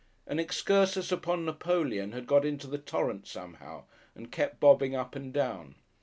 An excursus upon Napoleon had got into the torrent somehow and kept bobbing up and down.